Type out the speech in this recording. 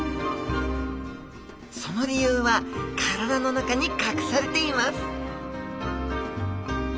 その理由は体の中に隠されています！